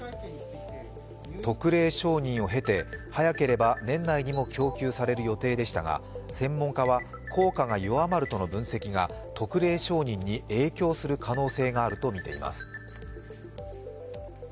特例承認を経て早ければ年内にも供給される予定でしたが専門家は効果が弱まるとの分析が特例承認に影響する可能性があるとみています。